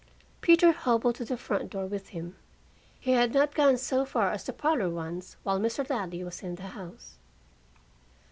Peter hobbled to the front door with him. He had not gone so far as the parlor once while Mr. Ladley was in the house.